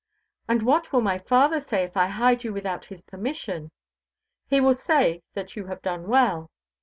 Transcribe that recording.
"And what will my father say if I hide you without his permission?" "He will say that you have done well."